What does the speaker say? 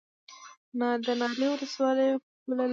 د ناری ولسوالۍ پوله لري